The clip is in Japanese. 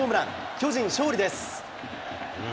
巨人、勝利です。